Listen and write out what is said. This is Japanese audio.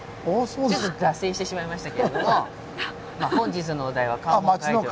ちょっと脱線してしまいましたけれどもまあ本日のお題は関門海峡の。